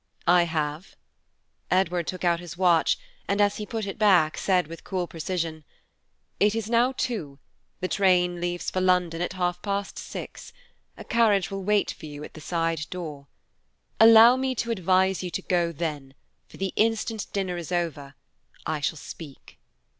"I have." Edward took out his watch and, as he put it back, said with cool precision, "It is now two, the train leaves for London at half past six; a carriage will wait for you at the side door. Allow me to advise you to go then, for the instant dinner is over I shall speak."